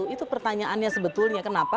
itu pertanyaannya sebetulnya kenapa